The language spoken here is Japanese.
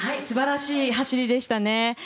素晴らしい走りでしたね。